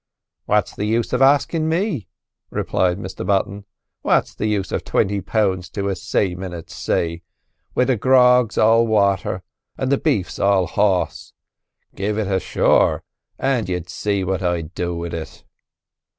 "What's the use of askin' me?" replied Mr Button. "What's the use of twenty pound to a sayman at say, where the grog's all wather an' the beef's all horse? Gimme it ashore, an' you'd see what I'd do wid it!"